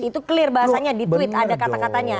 itu clear bahasanya di tweet ada kata katanya